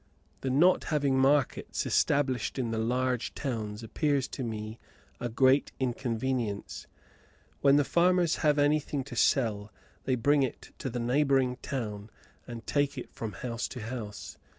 The not having markets established in the large towns appears to me a great inconvenience. When the farmers have anything to sell they bring it to the neighbouring town and take it from house to house.